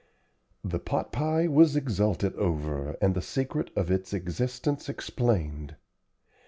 The pot pie was exulted over, and the secret of its existence explained.